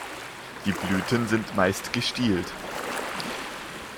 Die Blüten sind meist gestielt.